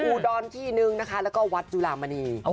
อุดรที่นึงนะคะแล้วก็วัดจุลามณี